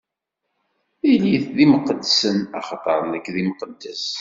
Ilit d imqeddsen, axaṭer nekk d Imqeddes.